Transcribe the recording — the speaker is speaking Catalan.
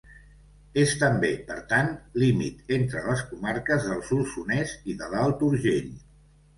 És també, per tant, límit entre les comarques del Solsonès i de l'Alt Urgell.